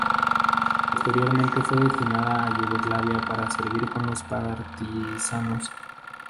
Posteriormente fue destinado a Yugoslavia para servir con los partisanos.